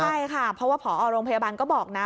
ใช่ค่ะเพราะว่าผอโรงพยาบาลก็บอกนะ